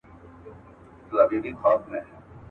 هم به ګرګین، هم کندهار وي، اصفهان به نه وي.